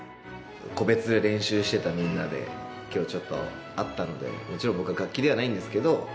個別で練習してたみんなで今日ちょっと会ったのでもちろん僕は楽器ではないんですけど。